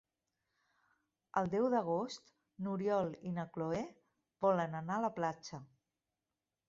El deu d'agost n'Oriol i na Cloè volen anar a la platja.